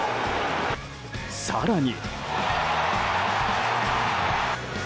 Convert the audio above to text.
更に。